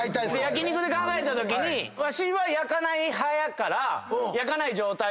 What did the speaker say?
焼肉で考えたときにわしは焼かない派やから焼かない状態で食えますやん。